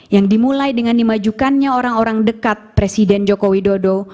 yang dimulai dengan dimajukannya orang orang dekat presiden joko widodo